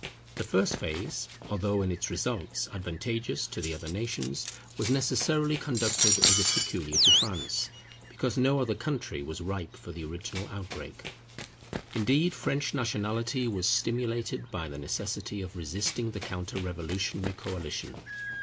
The first phase, although in its results advantageous to the other nations, was necessarily conducted as if peculiar to France, because no other country was ripe for the original outbreak. Indeed French nationality was stimulated by the necessity of resisting the counter revolutionary coalition.